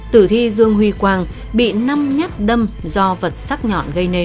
tử thi dương huy quang bị năm nhát đâm do vật sắc nhỏ